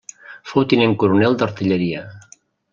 Fou tinent coronel d'artilleria.